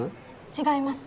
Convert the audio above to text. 違います